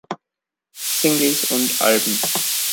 Singles und Alben